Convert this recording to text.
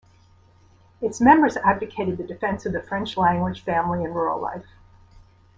Its members advocated the defense of the French language, family, and rural life.